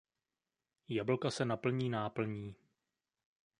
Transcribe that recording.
Jablka se naplní náplní.